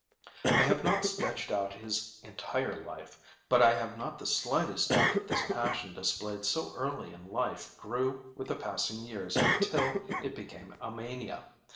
I have not sketched out his entire life, but I have not the slightest doubt that this passion displayed so early in life grew with the passing years until it became a mania.